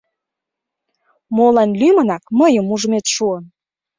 — Молан лӱмынак мыйым ужмет шуын?